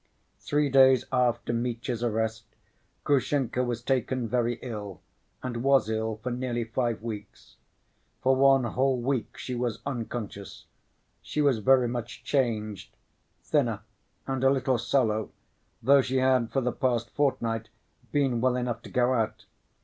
Three days after Mitya's arrest, Grushenka was taken very ill and was ill for nearly five weeks. For one whole week she was unconscious. She was very much changed—thinner and a little sallow, though she had for the past fortnight been well enough to go out.